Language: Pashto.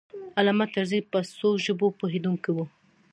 علامه طرزی په څو ژبو پوهېدونکی و.